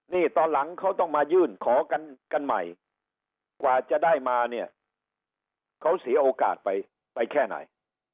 นี่ตอนหลังเขาต้องมายื่นขอกันกันใหม่กว่าจะได้มาเนี่ยเขาเสียโอกาสไปแค่ไหน